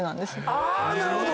なるほど！